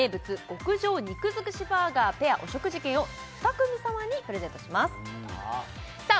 極上肉づくしバーガーペアお食事券を２組さまにプレゼントしますさあ